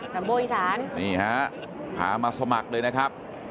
ัมโบอีสานนี่ฮะพามาสมัครเลยนะครับ